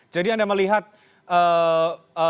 jadi anda melihat eee